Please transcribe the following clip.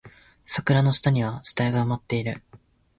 桜の下には死体が埋まっている